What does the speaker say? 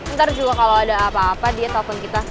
ntar juga kalo ada apa apa dia telfon kita